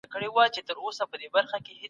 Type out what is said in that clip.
د غالب دیوان کله وموندل سو؟